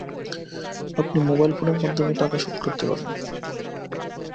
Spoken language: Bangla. আপনি মোবাইল ফোনের মাধ্যমেও টাকা শোধ করতে পারেন।